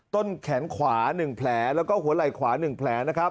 ต้นแขนขวา๑แผลและหัวไหล่ขวา๑แผล